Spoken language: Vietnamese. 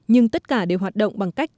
nhưng tất cả đều hoạt động bằng cách